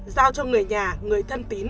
giao cho người nhà người thân tín